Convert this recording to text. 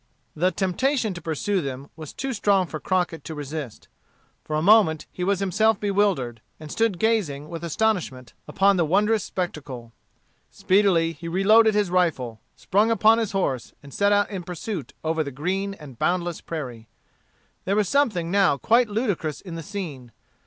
The temptation to pursue them was too strong for Crockett to resist. For a moment he was himself bewildered, and stood gazing with astonishment upon the wondrous spectacle. Speedily he reloaded his rifle, sprung upon his horse, and set out in pursuit over the green and boundless prairie. There was something now quite ludicrous in the scene.